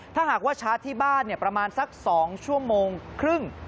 ถ้าหากว่าชาร์จที่บ้านประมาณสัก๒ชั่วโมงครึ่ง